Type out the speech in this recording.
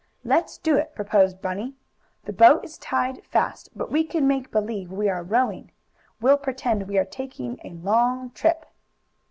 "Let's do it!" proposed Bunny. "The boat is tied fast, but we can make believe we are rowing. We'll pretend we are taking a long trip."